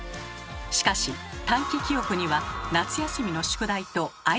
しかし短期記憶には夏休みの宿題と相性が悪い弱点があります。